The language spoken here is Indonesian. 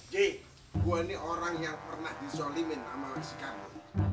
ji gue ini orang yang pernah disolimin sama si kardun